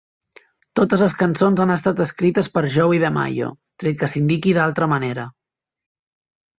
Totes les cançons han estat escrites per Joey DeMaio, tret que s'indiqui d'altra manera.